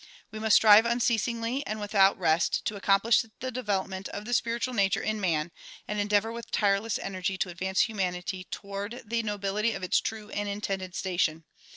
We must strive unceasingly and without rest to accomplish the development of the spiritual nature in man, and endeavor with tireless energy to advance humanity toward the nobility of its true and intended station.